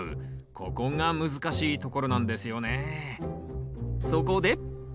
ここが難しいところなんですよね。